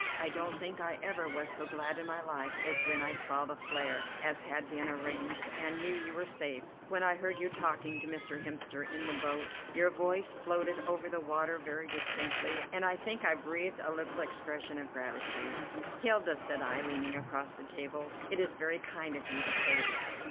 I don't think I ever was so glad in my life as when I saw the flare, as had been arranged, and knew you were safe. When I heard you talking to Mr. Hemster in the boat, your voice floated over the water very distinctly, and I think I breathed a little expression of gratitude." "Hilda," said I, leaning across the table, "it is very kind of you to say that."